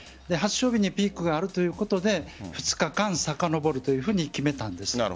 発症日にピークがあるということで２日間さかのぼるというふうに決めたんです。